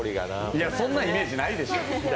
いや、そんなイメージないでしょ。